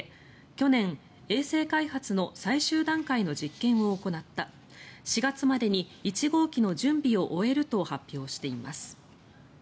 去年、衛星開発の最終段階の実験を行った４月までに１号機の準備を終えると発表しています。